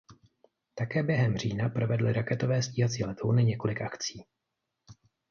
Také během října provedly raketové stíhací letouny několik akcí.